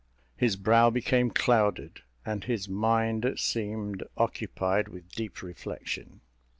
His brow became clouded and his mind seemed occupied with deep reflection.